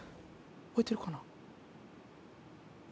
「覚えてるかな？」